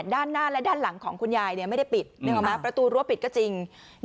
ด้านหน้าและด้านหลังของคุณยายไม่ได้ปิดนึกออกมาประตูรั้วปิดก็จริง